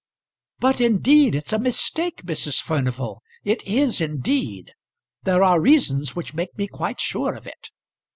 "But indeed it's a mistake, Mrs. Furnival. It is indeed. There are reasons which make me quite sure of it."